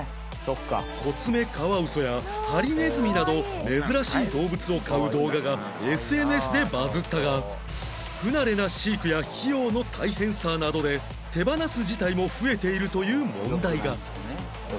コツメカワウソやハリネズミなど珍しい動物を飼う動画が ＳＮＳ でバズったが不慣れな飼育や費用の大変さなどで手放す事態も増えているという問題が